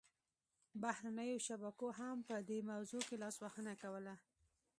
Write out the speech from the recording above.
بهرنیو شبکو هم په دې موضوع کې لاسوهنه کوله